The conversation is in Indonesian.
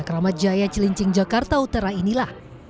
keramat jaya cilincing jakarta utara inilah